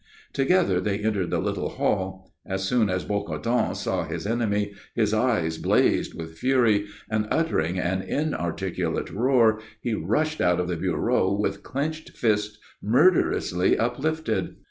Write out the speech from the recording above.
Together they entered the little hall. As soon as Bocardon saw his enemy his eyes blazed with fury, and, uttering an inarticulate roar, he rushed out of the bureau with clenched fists murderously uplifted.